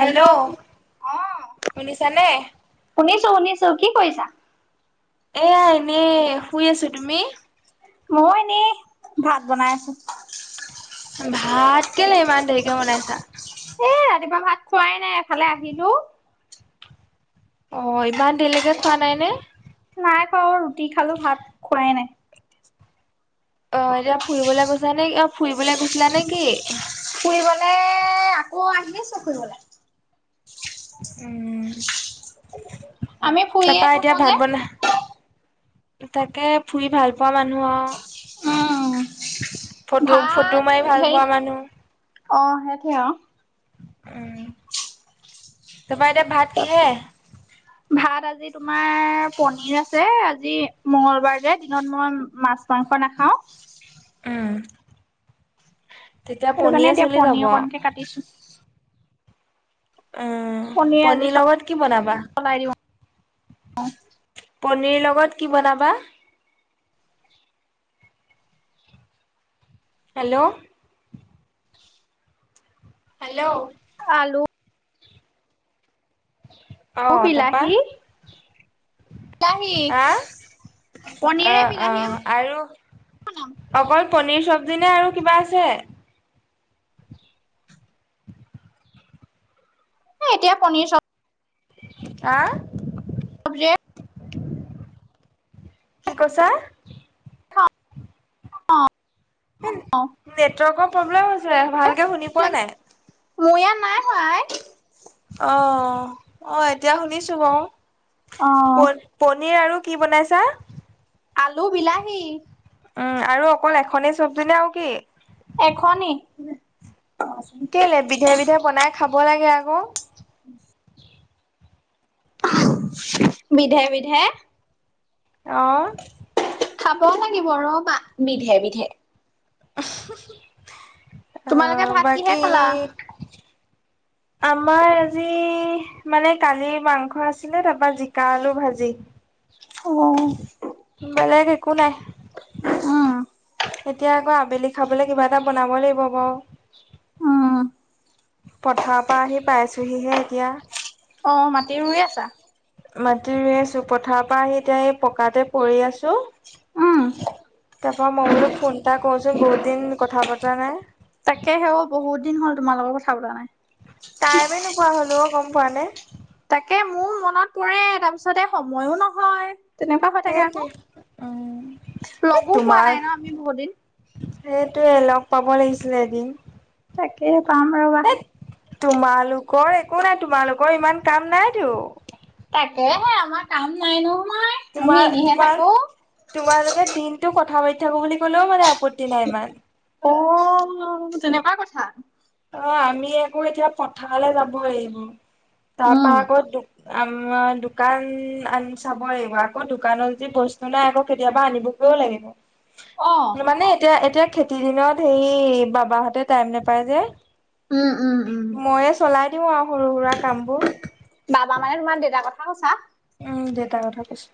Hello অ শুনিছানে? শুনিছো শুনিছো। কি কৰিছা? এয়া এনে শুই আছো তুমি? মই এনে ভাত বনাই আছো। ভাত কেলে ইমান দেৰিকে বনাইছা? এ ৰাতিপুৱা ভাত খোৱাই নাই এফালে আহিলো অ ইমান দেৰিলৈকে খোৱা নাই নে? নাই খোৱা অ ৰুটি খালো ভাত খোৱাই নাই অ এতিয়া ফুৰিবলে গৈছা নে অ ফুৰিবলে গৈছিলা নেকি? ফুৰিবলে আকৌ আহিছো ফুইবলে উম আমি ফুৰিয়ে তাপা এতিয়া থাকো ভাত যে বনা তাকে ফুৰি ভাল পোৱা মানুহ উম আহ ফটো ভাত ফটো মাৰি ভাল হেৰি পোৱা মানুহ অ সেইথেৱ আ উম তাপা এতিয়া ভাত কিহে? ভাত আজি তোমাৰ পনিৰ আছে আজি মঙ্গলবাৰ যে দিনত মই মাছ মাংস নাখাও। উম, তেতিয়া সেইটো কাৰণে পনীয়ে এতিয়া চলি যাব। পনীৰ অকণকে কাটিছো। অ, পণীয়ে আজি চব চলাই দিও। পনীৰ লগত কি বনাবা? হেল্ল' হেল্ল' আলু [unintelligible] ও তাৰপা বিলাহী বিলাহী, আহ অ পনীৰে অ বিলাহীয়ে আৰু বনাম অকল পনীৰ চবজি নে আৰু কিবা আছে? এতিয়া পনীৰ চ আহ। অবজে [unintelligible] কি কৈছা? খাওঁ নেটৱৰ্কৰ প্ৰব্লেম হৈছে ভাল কে শুনি পোৱা নাই। মোৰ ইয়াত নাই হোৱা আই অ আহ এতিয়া শুনিছো অ বওঁ। পনীৰ আৰু কি বনাইছা? আলু, বিলাহী। উম আৰু অকল এখনেই চবজি নে আও কি এখনি কেলে বিধে বিধে বনাই, খাব লাগে আকৌ। উম। বিধে বিধে। অ। খাব লাগিব ৰবা। বিধে বিধে অ তোমালোকে ভাত কিহে বাকী? খালা আমাৰ আজি মানে কালিৰ মাংস আছিলে তাৰপা জিকা, আলু ভাজি। অ। বেলেক একো নাই। এতিয়া আকৌ আবেলি খাবলে কিবা এটা বনাব লাগিব বাৰু। উম। পথাৰৰ পৰা আহি পাইছোহি হে এতিয়া। অ মাটি ৰুই আছা? মাতি ৰুই আছো পথাৰৰ পৰা আহি এতিয়া এই পকাতে পৰি আছো। উম তাৰপা মই বোলো ফোন এটা কচোন বহুত দিন কথা পতা নাই। তাকে হে অ বহুত দিন হ'ল তোমাৰ লগৰ কথা পতা নাই। টাইমে নোপোৱা হ'লো অ গম পোৱানে। তাকে মোৰ মনত পৰে তাৰপিছতে সময়ো নহয়। তেনেকুৱা হৈ থাকে সেইটোৱে আকৌ, এই লগো পোৱা তোমাক নাই ন আমি বহুত দিন। সেইটোয়ে লগ পাব লাগিছিলে এদিন। তাকে পাম আৰু। এ তোমালোকৰ একো নাই তোমালোকৰ ইমান কাম নাইতো। তাকেহে আমাৰ কাম নাই নহয়। আমি তোমাৰ এনেহে তোমাৰ থাকো। তোমালোকে দিনতটো কথা পাতি থাকো বুলি ক'লেও মানে আপত্তি নাই ইমান। অ বুলো তেনেকুৱা কথা? অ আমি আকৌ এতিয়া পথাৰলৈ যাব আহিব। তাৰ উম, পৰা আকৌ দু আমাৰ দোকান আন চাব লাগিব। আকৌ দোকানত যে বস্তু নাই আকৌ কেতিয়াবা আনিব ব অ', লাগিব। মানে এতিয়া এতিয়া খেতিৰ দিনত সেই বাবাহঁতে টাইম নোপায় যে। উম উম। উম, ময়ে চলাই দিও আৰু সৰু সুৰা কামবোৰ। বাবা মানে তোমাৰ দেউতাৰ কথা কৈছা? উম দেউতাৰ কথা কৈছো।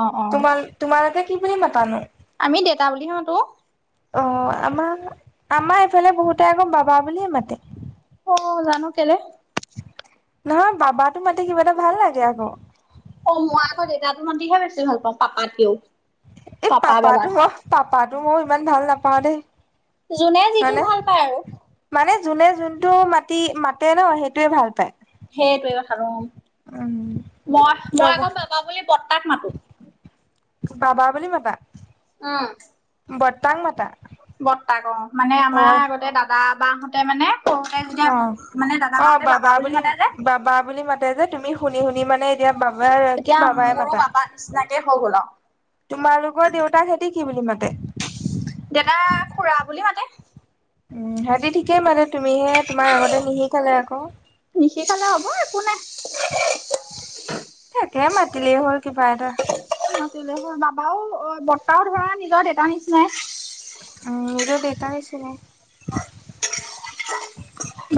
অ', অ'। তোমাৰ তোমালোকে কি বুলি মাতানো? আমি দেউতা বুলিহে মাতো। অ আমাৰ আমাৰ এইফালে বহুতে আকৌ বাবা বুলিয়ে মাতে। অ জানো কেলে। নহয় বাবা টো মাতে কিবা এটা ভাল লাগে আকৌ। অ মই আকৌ দেউতা তো মাতিহে বেছি ভাল পাওঁ পাপাতকেও। এই পাপা পাপাতো বাবাত। মই পাপাতো মই ইমান ভাল নাপাওঁ দেই। যোনে যিটো হয়নে? ভাল পায় আৰু। মানে যোনে যোনটো মাতি মাতে ন সেইটোয়ে ভাল পায়। সেইটোৱে কথাতো অ, উম, মই মই চব আকৌ বাবা বুলি বৰ্তাক মাতো। বাবা বুলি মাতা? উম। বতাৰ্ক মাতা? বৰ্তাক ‌অহ মানে আমাৰ হয়, আগতে দাদা বাহতে মানে সৰুতে যেতিয়া অহ মানে দাদা অহ বাহঁতে বাবা বুলি মাতে যে বাবা বুলি মাতে যে তুমি শুনি শুনি মানে এতিয়া বাবাৰ কি তেতিয়া বাবাই মোৰো মাতা। বাবা নিচিনাকে হৈ গ'ল আও তোমালোকৰ দেউতাক কি বুলি মাতে? দেতা খুড়া বুলি মাতে। উম সিহঁতি ঠিকেই মাতে তুমিহে তোমাৰ আগতে নিশিকালে আকৌ নিশিকালে হ'ব একো নাই তাকে মাতিলেই হ'ল কিবা এটা মাতিলে হল বাবাও অহ বৰ্তাৰহত সেইয়া নিজৰ দেউতাৰ নিচিনাই উম নিজ দেতা নিচিনাই।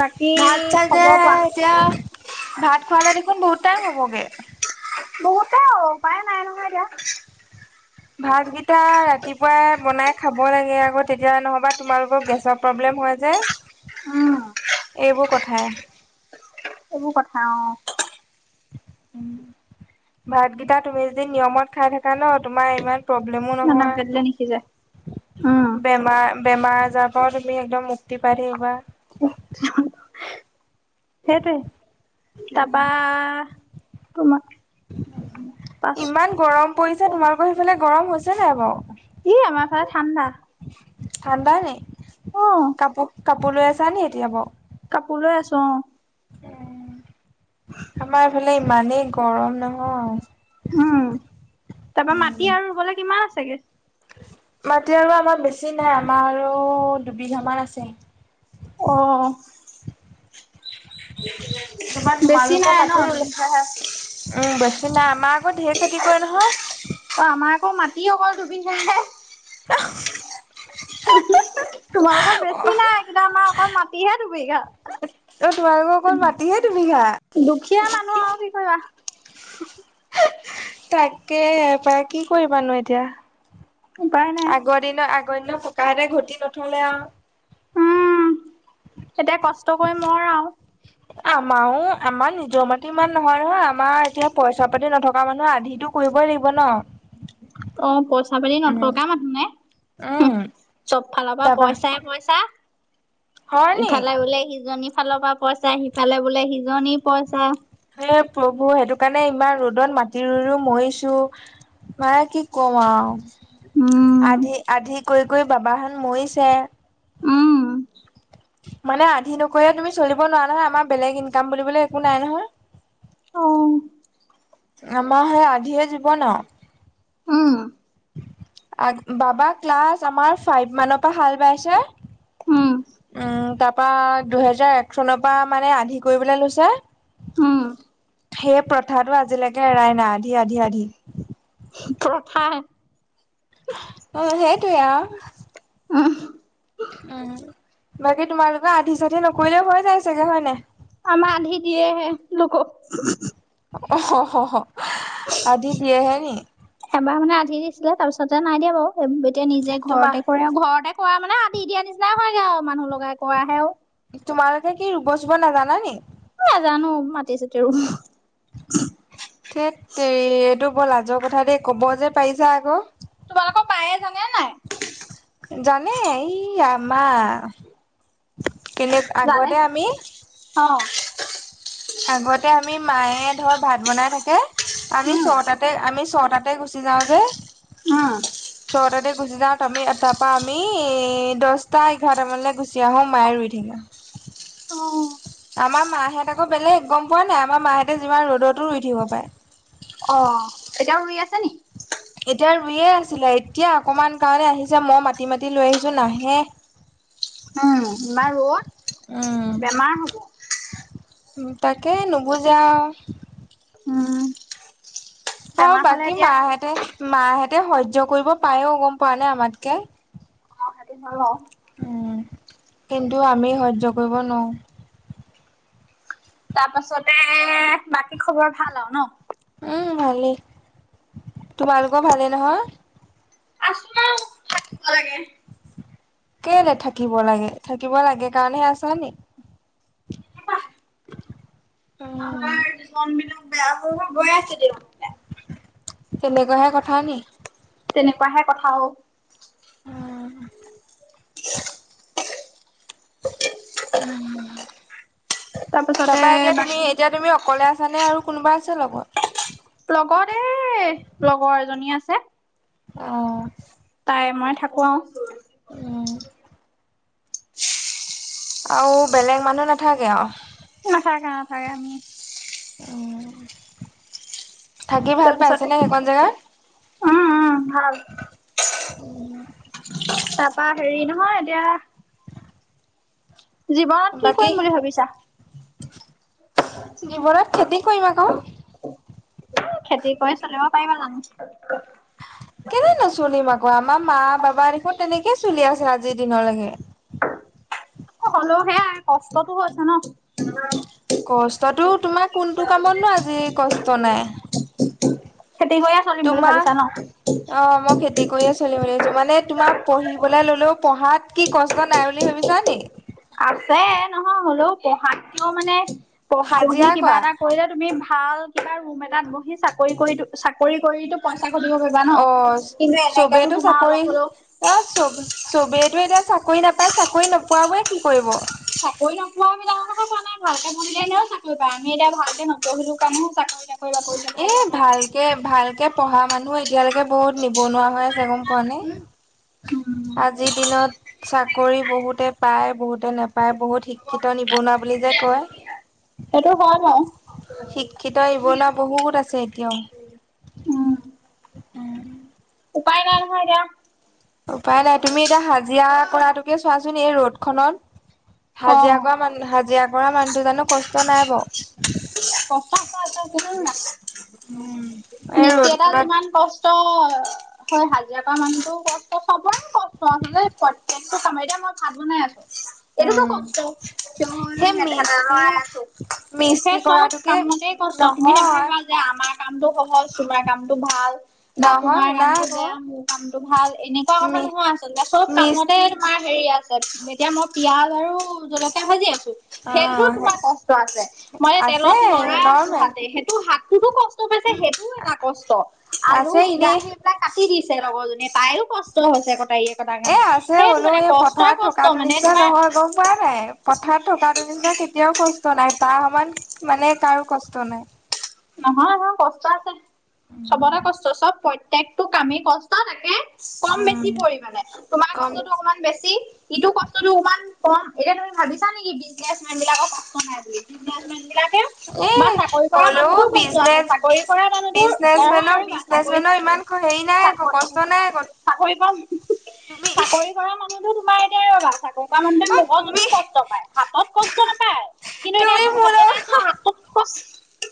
বাকী ভাত চাগে খবৰ কোৱা? এতিয়া ভাত খোৱালে দেখোন বহুত টাইম হ'বগে। বহুতে উপায় নাই নহয় এতিয়া। ভাতকেইটা ৰাতিপুৱাই বনাই খাব লাগে আকৌ তেতিয়া নহবা তোমালোকৰ গেছত প্ৰব্লেম হয় যে উম এইবোৰ কথাই এইবোৰ কথা অ উম ভাতকেইটা তুমি যদি নিয়মত খাই থাকা ন তোমাৰ ইমান প্ৰব্লেম অ নামকে দিলে নিসিজে নহয় উম বে মাৰ বেমাৰ আজাৰ পৰাও তুমি একদম মুক্তি পাই থাকিব পাৰা এ ছো সেইটোৱে তাপা তোমাৰ পাছ ইমান গৰম পৰিছে তোমালোকৰ সেইফালে গৰম হৈছে নাই বাও? ই আমাৰ ফালে ঠাণ্ডা। ঠাণ্ডা নি অ কাপোৰ কাপোৰ লৈ আছা নি এতিয়া বাও। কাপোৰ লৈ আছো অহ উম আমাৰ এইফালে ইমানেই গৰম নহয় উম তাৰ পৰা মাটি আৰু ৰুবলে কিমান আছেগে? মাটি আৰু আমাৰ বেছি নাই আমাৰ আৰু দুবিঘামান আছে। অ তাপা বেছি তোমাৰলোকৰ নাই ন মাটি ৰুলে? দুবিঘাহে উম বেছি নাই আমাৰ আকৌ ধেৰ খেতি কৰে নহয় অ আমাৰ আকৌ মাটি অকল দুবিঘা হে অহ‌‌হু হুম তোমালোকৰ বেছি নাই কিন্তু আমাৰ অকল মাটিহে দুবিঘা অহ তোমালোক অকল মাটিহে দুবিঘা দুখীয়া মানুহ আও কি কৰিবা তাকেহে পাই কি কৰিবানো এতিয়া উপায় নাই আগত দিনৰ আগ দিনৰ ককা আইতা ঘটি নথলে আও উম এতিয়া কষ্ট কৰি মৰ আও। আমাৰও আমাৰ নিজৰ মাটি ইমান নহয় নহয় আমাৰ এতিয়া পইচা পাতি নথকা মানুহে আধিতো কৰিবই লাগিব ন অ পইচা পাতি উম নথকা মানুহ নে হো উম চব ফালৰ পৰা তাৰপা পইচাই পইছা হয় নি ইফালে বোলে সিজনীৰ ফালৰ পৰা পইচা সিফালে বোলে সিজনী পইচা এ প্ৰভু সেইটো কাৰণে ইমান ৰ'দত মাটি ৰুই ৰুই মৰিছো। মানে কি কম আও আধি উম আধি কৰি কৰি বাবাহেত মৰিছে উম মানে আধি নকৰিলে তুমি চলিব নোৱাৰা নহয় আমাৰ বেলেগ ইনকাম বুলিবলে একো নাই নহয় অ আমাৰ হে আধিয়ে জীৱন আও উ আ বাবা ক্লাছ আমাৰ ফাইভ মানৰ পৰা হাল বাইছে উম উম তাৰ পৰা দুহেজাৰ এক চনৰ পৰা মানে আধি কৰিবলৈ লৈছে। উম সেই পথাৰটো আজিলৈকে এৰাই নাই আধি আধি আধি। পথাৰ। অঁ সেইটোয়ে আউ উ হো উম বাকী তোমালোকৰ আধি চাধি নকৰিলেও হয় যায় চাগে হয় নাই? আমাৰ আধি দিয়েহে লোকক হু হু অ অ অ আধি দিয়েহে নি এবাৰ মানে আধি দিছিলে তাৰ পিছতে নাই দিয়া বাৰু এতিয়া নিজে তোমা ঘৰতে কৰে। ঘৰতে কৰা মানে আধি দিয়া নিচিনাই হয়গে আৰু মানুহ লগাই কৰাহেও। তোমালোকে কি ৰুব চুব নাজানা নি? নাজানো মাতি ছাতি ৰুম। থেত তেৰি এইটো বৰ লাজৰ কথা দেই ক'ব যে পাৰিছা আকৌ। তোমালোকৰ বায়ে জানে নাই? জানে, ই আমা কেনে আগতে আমি- অঁ আগতে আমি মায়ে ধৰ ভাত বনাই থাকে আমি উম ছটাতে আমি ছটা। তে গুচি যাওঁ যে। উম ছটাতে গুচি যাওঁ আমি তাৰ পৰা আমি এ দহটা এঘাৰটা মানলে গুচ - চি আহোঁ মায়ে ৰুই থাকে। অঁ আমাৰ মাহঁত আকৌ বেলেগ গম পোৱা নাই আমাৰ মাহঁতে যিমান ৰ'দতো ৰুই থাকিব পাৰে। অঁ এতিয়াও ৰুই আছে নি। এতিয়া ৰুইয়ে আছিলে, এতিয়া অকমান কাৰণে আহিছে মই মাতি মাতি লৈ আহিছো নাহে। উম ইমান ৰদ, উম। বেমাৰ হ'ব। তাকে নুবুজে আও। উম, আৰু বেমাৰ হলে বাকী এতিয়া মাহঁতে মাহঁতে সহ্য কৰিব পাযেও গম পোৱা নে আমাতকে। [unintelligible] উম, কিন্তু আমি সহ্য কৰিব নোৱাৰো। তাৰ পাছতে বাকী খবৰ ভাল আও ন উম ভালেই, তোমালোকৰ ভালেই নহয়। আছো আৰু থাকিব লাগে। কেলে থাকিব লাগে, থাকিব লাগে কাৰণেহে আছ নি। উম আমাৰ কনমিলৌ বেয়া হৈ গৈ আছে দেখো। তেনেকোৱাহে কথা নি। তেনেকুৱাহে কথা ঔ। উম, তাৰপিছতে তাৰপা এতিয়া তুমি বাকী এতিয়া তুমি অকলে আছ নে আৰু কোনোবা আছে লগত। লগত এই লগৰ এজনী আছে। অঁ তাই মই থাকো আও। উম, [unintelligible] আৰু বেলেগ মানুহ নাথাকে আও। নাথাকে নাথাকে আমি। উম তাৰপিছতে জেগাত? উম উম ভাল। তাপা হেৰি নহয় এতিয়া। জীৱনত কি বাকী কৰিম বুলি ভাবিছা? জীৱনত খেতি কৰিম আক'। ও খেতি কৰি চলিব পাৰিবা জানো? কেলে নচলিম আক আমাৰ মা বাবা দেখোন তেনেকে চলি আছে আজিৰ দিনৰলেকে। হলেও সেয়াই কষ্টতটো হৈছে ন। কষ্টতটো তোমাৰ কোনটো কামত নো আজি কষ্ট নাই। খেতি কৰিয়ে চলিম বুলি তোমাৰ ভাবিছা ন? অ মই খেতি কৰিয়ে চলিম বুলি ভাবিছো। মানে তোমাৰ পঢ়িবলৈ ললেও পঢ়াত কি কষ্ট নাই বুলি ভাবিছা নি? আছে, নহয় হ'লেও পঢ়াত কেও মানে পহ পঢ়ি হাজিৰা কিবা কৰা এটা কৰিলে তুমি ভাল কিবা ৰুম এটাত বহি চাকৰি কৰিটো চাকৰি কৰিটো পইচা ঘটিব পাৰিবা ন? অ কিন্তু এনেকেটো তোমাৰ অলপ হ'লেও আ চব চবেইতো এতিয়া চাকৰি নাপায়। চাকৰি নোপোৱাবোৰে কি কৰিব? চাকৰি নোপোৱাবিলাকৰ কথা কোৱা নাই। ভালকে পঢ়িলে এনেও চাকৰি পায়। আমি এতিয়া ভালকে নপঢ়িলো কাৰণেহে চাকৰি তাকৰি বাকৰি এ চাকৰি একো নাই ভালকে ভালকে পঢ়া মানুহ এ এতিয়ালৈকে বহুত নিবনুৱা হৈ আছে গম পোৱা নে? উম আজিৰ দিনত চাকৰি বহুতে পায়, বহুতে নেপায়। বহুত শিক্ষিত নিবনুৱা বুলি যে কয়। সেইটো হয় বাৰু শিক্ষিত নিবনুৱা বহুত আছে এতিয়াও। উম উপায় নাই নহয় এতিয়া। উপায় নাই। তুমি এতিয়া হাজিৰা কৰাটোকে চোৱাচোন। এই ৰ'দখনত অ হাজিৰা কৰা মানু হাজিৰা কৰা মানুহটো জানো কষ্ট নাই [unintelligible] উম, এই মিস্ত্ৰী এটা ৰ'দ‌খনত যিমান কষ্ট হয় হাজিৰা কৰা মানুহটোৰো কষ্ট, চবৰে কষ্ট আছে দেই। প্ৰত্যেকটো কামে দ, মই এতিয়া ভাত বনাই আছো। [inaudible] এইটোতো কষ্ট কিয় হ'লেও সেই মিস্ত্ৰী [unintelligible] মিস্ত্ৰী সেই চব কৰাটোকে কামতে কষ্ট। তুমি নহয় নাভাবিবা যে আমাৰ কামটো সহজ, তোমাৰ কামটো ভাল বা নহয় তোমাৰ শুনা কামটো আকৌ বেয়া মোৰ কামটো ভাল। এনেকুৱা কথা মি নহয় আচলতে চব কামতে মিস্ত্ৰী তোমাৰ হেৰি আছে। এতিয়া মই পিয়াজ আৰু জলকীয়া ভাজি আছো। অ সেইটো তোমাৰ কচ কষ্ট আছে। মই আছে তেলত লৰাই আছো নৰ্মেল হাতে, সেইটো হাতটোতো কষ্ট [unintelligible] সেটোও এটা কষ্ট। আলু, আছে এনেই বিলাহী এই বিলাক কাটি দি [unintelligible] ছে লগৰ জনীয়ে তায়ো কষ্ট হৈছে কটাৰিয়ে কটাৰ এ কাৰণে। আছে সেইটো বোলো মানে কষ্টই কষ্ট মানে তোমাৰ উপায় নাই। পথাৰত থকাটো নিচিনা কেতিয়াও কষ্ট নাই। তাৰ সমান মানে কাৰো কষ্ট নাই। নহয় ব কষ্ট আছে। চবতে কষ্ট চব পই প্ৰত্যেকটো কামেই কষ্ট তাকে কম বেছি উম। পৰিমাণে। তোমাৰ গম কষ্টটো অকমান বেছি ইটো কষ্টটো অকমান [unintelligible] কম, এতিয়া তুমি ভাবিছা নেকি বিজনেছমেন বিলাকৰ কষ্ট নাই বুলি। বিজনেছমেন বিলাকে এ বা চাকৰি কৰা মানুহ হ'লেও বহুত কষ্ট আছে। বিজনেচ চাকৰি বিজ কৰা মানুহ তোৰ বিজনেচ নহয় মেনৰ ৰ'বা বিজনেচ চাকৰি, মেনৰ ইমান হেৰি নাই আকৌ চাকৰ কষ্ট নাই আকৌ চাকৰি কৰা তুমি চাকৰি কৰা মানুহটো তোমাৰ এনেই ৰ'বা চাকৰি কৰা মানুহটোৱে অ তুমি মগজুটোত কষ্ট পায়, হাতত কষ্ট নাপায়। কিন্তু এতিয়া তুমি মই মোৰ ভাৰ বনাই আছো লগত হাতটো খুছ